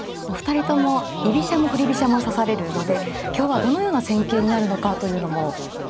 お二人とも居飛車も振り飛車も指されるので今日はどのような戦型になるのかというのも。